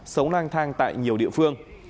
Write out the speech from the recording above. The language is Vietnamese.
sống lang thang tại nhiều địa phương